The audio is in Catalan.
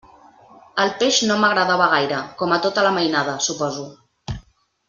El peix no m'agradava gaire, com a tota la mainada, suposo.